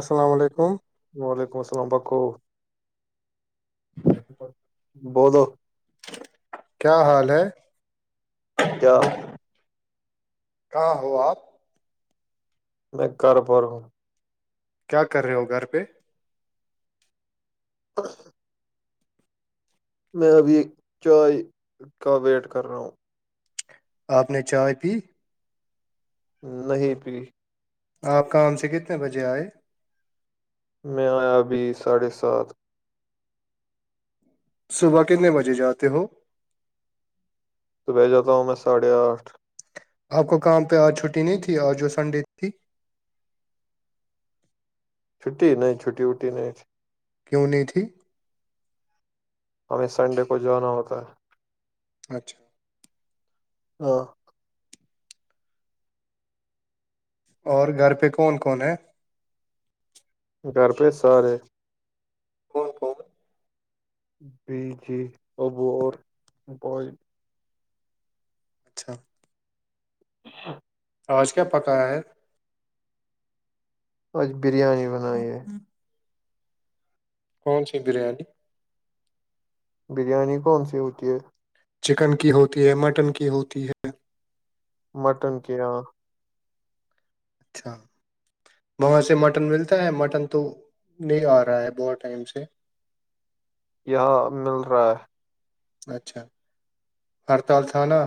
السلام علیکم وعلیکم السلام پاکو بولو کیا حال ہے کیا کہاں ہو آپ میں گھر پر ہوں کیا کر رہے ہو گھر پہ میں ابھی چائے کا ویٹ کر رہا ہوں آپ نے چائے پی نہیں پ آپ کام سے کتنے بجے آئے میں آیا ابھی ساڑھے سات صبح کتنے بجے جاتے ہو تو بہ جاتا ہوں میں ساڑھے آٹھ آپ کو کام پہ آج چھٹی نہیں تھی آج جو سنڈے تھی چھٹی نہیں چھٹی وٹی نہیں کیوں نہیں تھی ہمیں سنڈے کو جانا ہوتا ہے اچھا ہ [unintelligible] اور گھر پہ کون کون ہے گھر پہ سارے کون کون بی کے کبور بال اچھا ہچ آوج کیا پکا ہے آج بریانی بنائی ہے کون س دریےی بریانی کون سی ہوتی ہے چکن کی ہوتی ہے مٹن کی ہوتی ہے مٹن کیا ہاں اچھا وہاں سے مٹن ملتا ہے مٹن تو نہیں آ رہا ہے بہت ٹائم سے یہاں مل رہا ہے اچھا ہڑتال تھا نا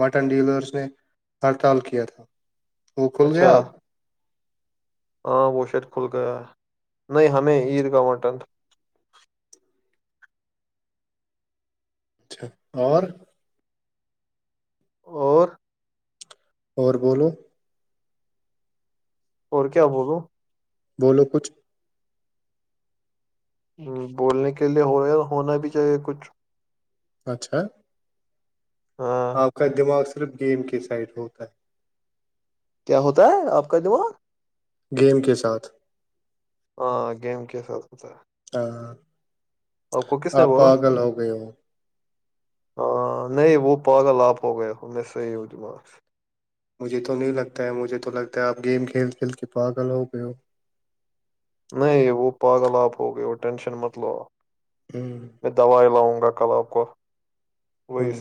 مٹن ڈیلرس نے ہڑتال کیا تھا وہ کھل اچھا گیا آپ ہاں وہ شاید کھل گیا ہے نہیں ہمیں اچھا عیدگاہ مٹن اچھا اور اور اور بولو اور کیا بولوں وہ لوگ کچھ ہ بولنے کے لیے ہو رہا ہونا بھی چاہیے کچھ اچھا ہاں آپ کا دماغ صرف گیم کے سائڈ ہوتا ہے کیا ہوتا ہے آپ کا دیمار گیم کے ساتھ ہاں گیم کیسا ہو ہوتا ہاں کو کس نے آپ بولا پاگل ہو گئے ہو ہاں نہیں وہ پاگل آپ ہو گیا ہو میں صحیح ہوںم مجھے تو نہیں لگتا ہے مجھے تو لگتا ہے آپ گیم کھیل کھیل کے تو آگل ہو گئے ہو نہیں وہ پاگل آپ ہو گئے وہ ٹینشن مت لو ہ میں دوائی لاؤں گا کل آپ کو وہی ہ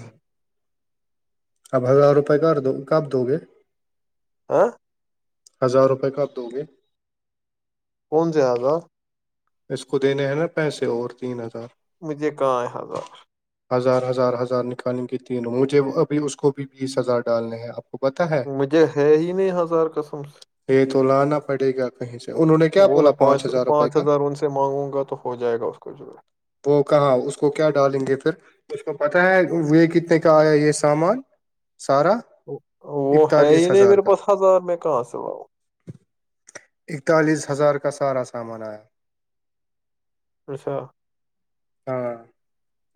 اب ہزار روپئے ک دو کب دو گے آاں [unintelligible] ہزار روپئے کاب دو گے کون سے آزات اس کو دینے ہیں نا پیسے اور تین ہزار کہ حضار ہزار ہزار ہزار نکالیں گے تینوں مجھے ابھی اس کو بھی بیس ہزار ڈالنے ہیں آپ کو پتا ہے مجھے ہے ہی نہیں ہزار قسم یہ تو لانا پڑے گا کہیں سے انہوں نے کیا وہ میں بولا پانچ ہزار روپئے کا ہزار ان سے مانگوں گا تو ہو جائے گا اس کو جو ہے وہ کہاں اس کو کیا ڈالیں گے پھر اس کو پتہ ہے یہ کتنے کا آیا یہ سامان سارا وہ ہے ہی اکتالیس نہیں ہزار میرے کا پاس ہزار میں کہاں سے با ہؤ اکتالیس ہزار کا سارا سامان آیا اچھا ہاں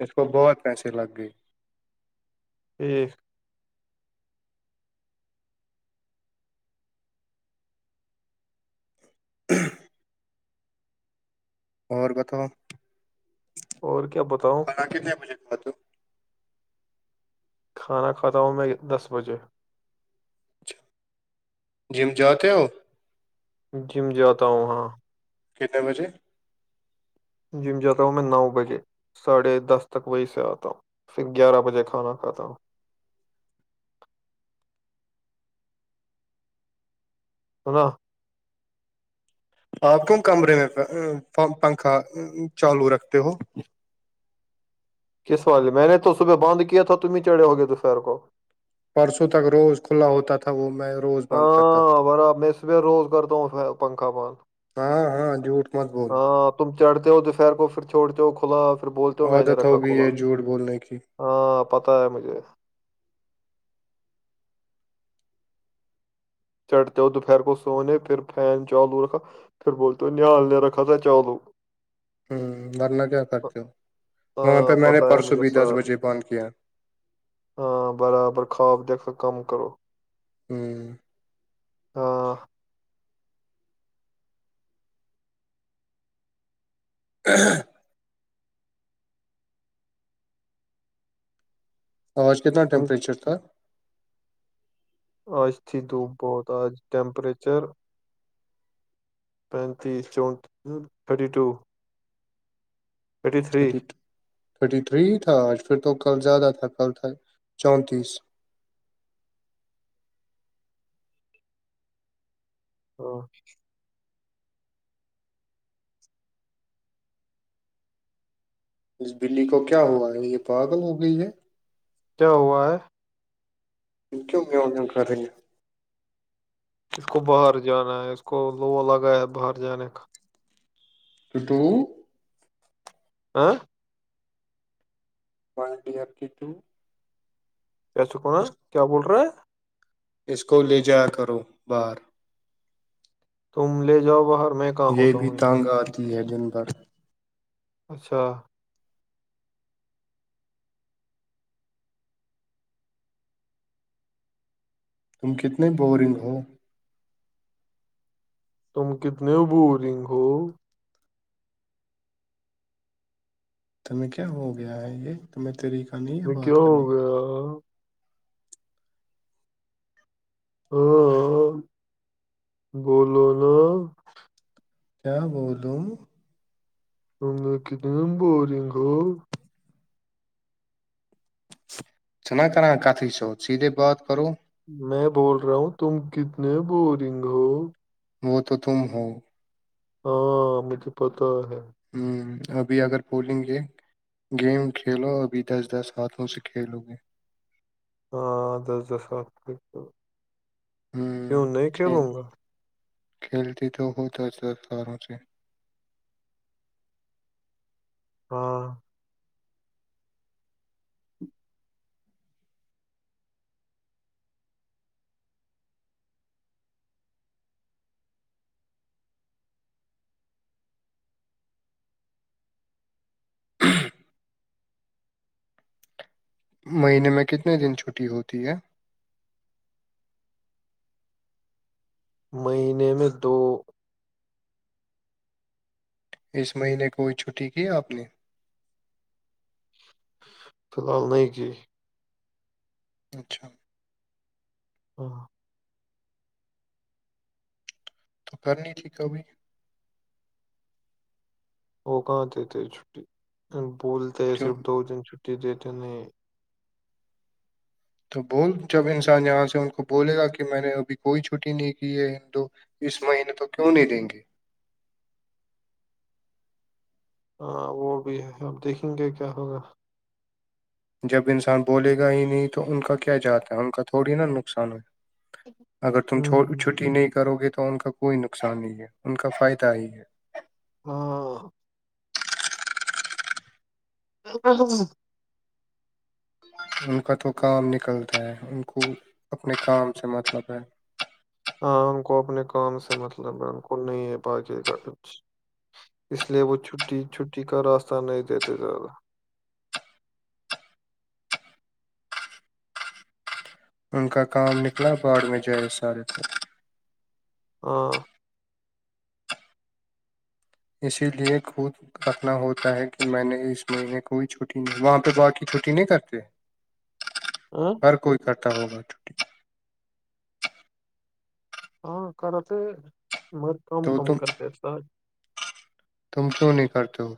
اس کو بہت پیسے لگ گئے ہی [unintelligible] اور کتو اور کیا بتاؤں ہاں کتنے بجے ب تو کھانا کھاتا ہوں میں دس بجے جیم جتے ہو جم جاتا ہوں ہاں کتنے بجے یہ ساڑھے دس تک وہی سے آتا ہوں پھر گیارہ بجے کھانا کھاتا ہوں [unintelligible] آپ کوم کمرے میں پنکھا چالو رکھتے ہو کس والے میں نے تو صبح بند کیا تھا تم ہی چڑھے ہو گے دوپہر کو پرسوں تک روز کھلا ہوتا تھا وہ میں روز بند کرتا تھا ہاں برا میں صبح روز کرتا ہوں پنکھا بند ہاں ہاں جٹ ہاں تم چڑھتے ہو دوپہر کو پھر چھوڑتے ہو کھلا پھر بولتے ہو میں نے عادت رکھا ہوگئی کلا ہے جھوٹ بولنے کی ہاں پتا ہے مجھے چڑھتے ہو دوپہر کو سونے پھر فین چالو رکھا پھر بول تو نال نہیں رکھا تھا چالو ہوں ورنہ کیا کرتے ہو وہاں پہ ہاں میں نے پتہ ہے پرسوں مجھے بھی دس سر بجے بند کیا ہاں برابر خواب دھ کم کرو ہوں ہاں [unintelligible] آواز کتنا تم- ٹیمپریچر تھا آج تھی دپ بہت آج ٹپریچر پینتیس چونتی thirty two thirty thirty three تھا آج پھر تو کل زیادہ تھا کل تھا چونتیس [unintelligible] اس بلی کو کیا ہوا ہے یہ پاگل ہو گئی ہے کیاوا انکو میو د خ رہیںے اس کو باہر جانا ہے اس کو لوا لگا ہے باہر جانے کا تو توو آ ون ڈر کی ٹو کیسکناا کیا بول رہا ہے اس کو لے جا کرو باہر تم لے جاؤ باہر میں کہاں یہ ہوتا بھی ہوں یہاں ٹانگ آتی ہے دن بھر اچھا تم کتنے بورنگ ہو تم کتنے بورنگ ہو تمہیں کیا ہو گیا ہے یہ تمہیں ترییکہ نہیں ہے تمہیں کیا بات ہو کرنی گیا ہاں بولو نا کیا بولوں تو میں ک دم بورورنگ ہو چنا کرنا کااتھی سے سیدھے بات کرو میں بول رہا ہوں تم کتنے بورنگ ہو وہ تو تم ہو ہاں مجھے پتا ہے ہوں ابھی اگر بولیں گے گیم کھیلو ابھی دس دس ہاتھوں سے کھیلو گے ہاں دس دس سات ر ہوں کیوں نہیں کہہ کھیل لوں گا کھیلتی تو ہوتا ا ساروں سے ہاں مہینے میں کتنے دن چھٹی ہوتی ہے مہینے میں دو اس مہینے کوئی چھٹی کی آپ نے فی الحال نئی ک اچھا ہ تو کرنی تھی کبھی وہ کہاں دیتے چھٹی بولتے کیوں صرف دو دن چھٹی دیتے انہیں تو بول جب انسان یہاں سے ان کو بولے گا کہ میں نے ابھی کوئی چھٹی نہیں کی ہے ہند اس مہینے تو کیوں نہیں دیں گے ہاں وہ بھی ہے اب دیکھیں گے کیا ہوگا جب انسان بولے گا ہی نہیں تو ان کا کیا جاتا ہے ان کا تھوڑی نا نقصان ہے اگر تم ہ چھ چھٹی نہیں کرو گے تو ان کا کوئی نقصان نہیں ہے ان کا فائدہ ہی ہے ہاں ہ ان کا تو کام نکلتا ہے ان کو اپنے کام سے مطلب ہے ہاں ان کو اپنے کام سے مطلب بالکل نہیں ہے باقی کا کچھ اس لیے وہ چھٹی چھٹی کا راستہ نہیں دیتے زیادہ ان کا کام نکلا باڑ میں جائے سارے پ ہ اسی لیے خود رکھنا ہوتا ہے کہ میں نے اس مہینے کوئی چھٹی نہیں وہاں پہ باقی چھٹی نہیں کرتے [unintelligible] ہ ہر کوئی اٹھا ہوگا چٹی ہاں کرتے مگر کام تو کم تم کرتے اس تم کیوں نہیں کرتے ہو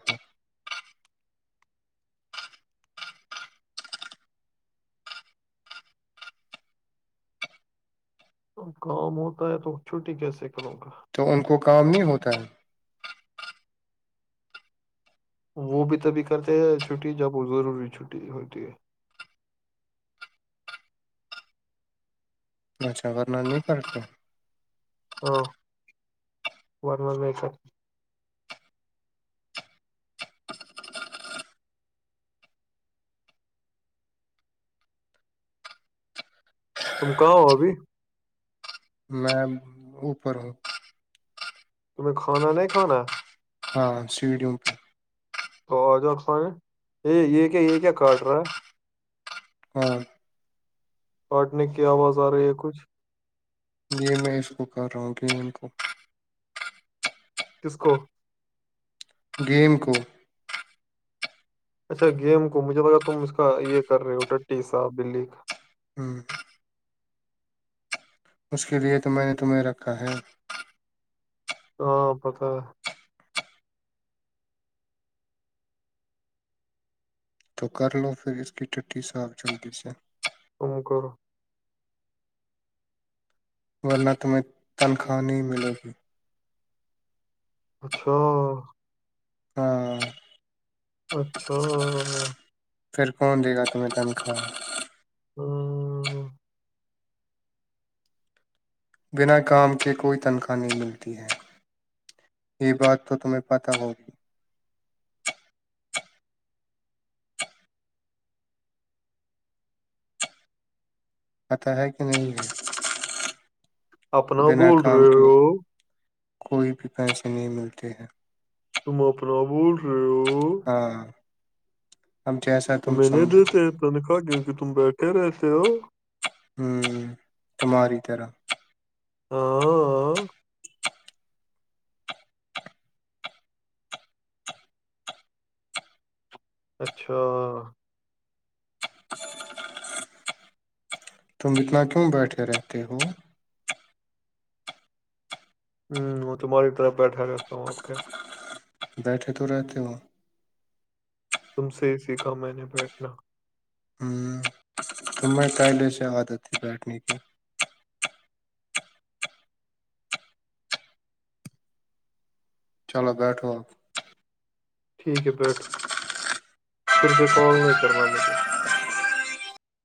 ا کام ہوتا ہے تو چھٹی کیسے کروں گا تو ان کو کام نہیں ہوتا ہے وہ بھی تبھی کرتے ہیں چھٹی جب وہ ضروری چھٹی ہوتی ہے اچھا ورننا نہیں کرتے ہے ہاں وارمار میں س تم کہاں ہو ابھی میں اوپر ہوں تمہیں کھانا نہیں کھانا ہاں سیڈیم پہ تو آ جاؤ فائ یہ یہ کیا یہ کیا کاٹ رہا ہے ہاں کاٹنے کی آواز آ رہی ہے کچھ یہ میں اس کو کر رہا ہوں کہ ان کو کس کو گیم کو اچھا گیم کو مجھے لگا تم اس کا یہ کر رہے ہو ٹی سا بلی کا ہوں اس کے لیے تو میں نے تمہیں رکھا ہے ہاں پتاا تو کر لو پھر اس کی ٹی صاف جلدی سے ام کر ورنت میں تنخواہ نہیں ملے گی اچھا ہاں اچھا پھر کون د گا تم ت کہ ہ [unintelligible] بنا کام کے کوئی تنخواہ نہیں ملتی ہے یہ بات تو تمہیں پتتا ہوگی پتاہ ہے کہ نہیں ہے اپنا بنا بول کام رہے کے ہو کوئی بھی پیسے نہیں ملتے ہیں تم اپنا بول رہے ہو ہاں ہمچ ای س تم نہیں دیتے تنکھاہ کی کہ تم بیٹھے رہےتے ہو ہوں تماری طرح ہاں اچھا تم اتنا کیوں بیٹھے رہتے ہو ہوں تمہاری طرف بیٹھا رہتا ہوں آپ کا بیٹھے تو رہتے ہو تم سے ہی سیکھا میں نے بیٹھنا ہوں تمیں کاہلے سے عادت تھی بیٹھنے کی چلو بیٹھو آپ ٹھیک ہے بیٹھو پھر سے کال نہیں کرنا مجھے